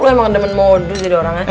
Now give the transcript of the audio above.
lu emang endemen modus jadi orangnya